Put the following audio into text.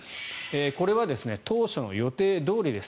これは当初の予定どおりです。